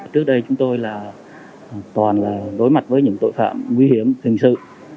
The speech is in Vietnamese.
trước đây chúng tôi toàn đối mặt với những tội phạm nguy hiểm hình sự